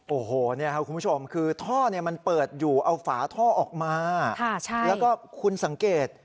โอ้โหเนี้ยค่ะคุณผู้ชมคือท่อเนี้ยมันเปิดอยู่เอาฝาท่อออกมาครับใช่แล้วก็คุณสังเกต